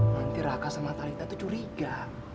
nanti raka sama talita tuh curiga